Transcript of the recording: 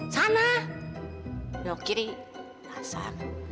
sana jauh kiri tak sang